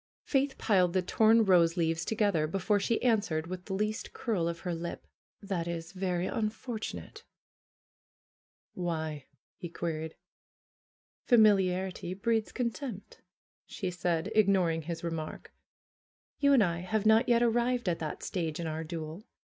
Faith piled the torn rose leaves together before she answered with the least curl of her lip: "That is very unfortunate !" "Why?'^ he queried. "Familiarity breeds contempt," she said, ignoring his remark. "You and I have not yet arrived at that stage in our duel.